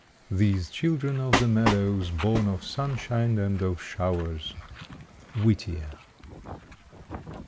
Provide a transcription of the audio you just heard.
These children of the meadows, born Of sunshine and of showers. _Whittier.